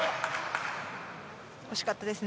惜しかったですね。